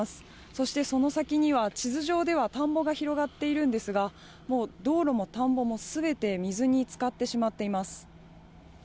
そしてその先には、地図上では田んぼが広がっているんですが、もう、道路も田んぼもすべて水につかってしまっています。